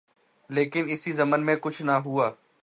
لیکن اس ضمن میں کچھ نہ ہوا